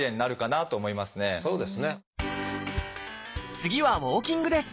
次はウォーキングです。